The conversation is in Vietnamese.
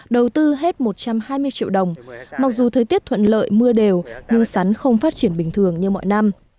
đầu tư hết một trăm hai mươi triệu đồng mặc dù thời tiết thuận lợi mưa đều nhưng sắn không phát triển bình thường như mọi năm